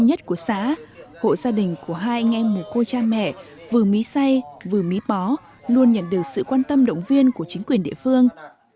anh em một cô cha mẹ vừa mý say vừa mý bó luôn nhận được sự quan tâm động viên của chính quyền địa phương